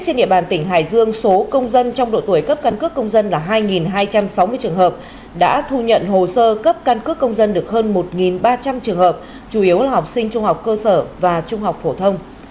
trên địa bàn tỉnh hải dương số công dân trong độ tuổi cấp căn cước công dân là hai hai trăm sáu mươi trường hợp đã thu nhận hồ sơ cấp căn cước công dân được hơn một ba trăm linh trường hợp chủ yếu là học sinh trung học cơ sở và trung học phổ thông